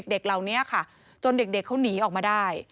เด็กเหล่านี้ค่ะจนเด็กเขาหนีออกมาได้